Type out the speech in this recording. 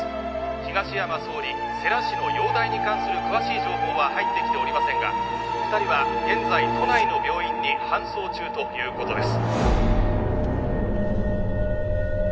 東山総理世良氏の容体に関する詳しい情報は入ってきておりませんが二人は現在都内の病院に搬送中ということです